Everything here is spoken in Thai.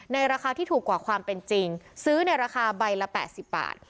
ราคาที่ถูกกว่าความเป็นจริงซื้อในราคาใบละ๘๐บาท